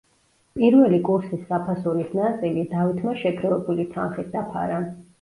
პირველი კურსის საფასურის ნაწილი, დავითმა შეგროვებული თანხით დაფარა.